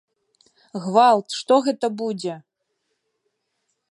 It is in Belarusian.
Гвалт, што гэта будзе!